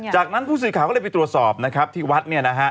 จากนั้นผู้สื่อข่าวก็เลยไปตรวจสอบที่วัด